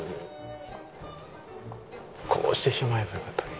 こうしてしまえばよかったのに。